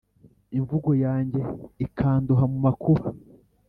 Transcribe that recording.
imvugo yanjye ikandoha mumakuba